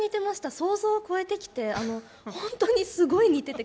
想像を超えて来てあのホントにすごい似てて。